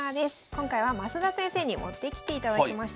今回は増田先生に持ってきていただきました。